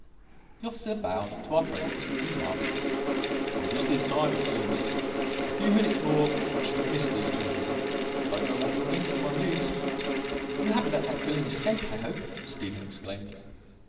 The officer bowed to our friends and remarked: "I am just in time, it seems. A few minutes more and I should have missed these gentlemen. I don't know what you'll think of my news." "You haven't let that villain escape, I hope," Stephen exclaimed.